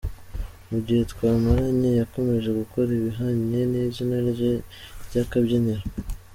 Mu gihe twamaranye, yakomeje gukora ibihwanye n’izina rye ry’akabyiniriro.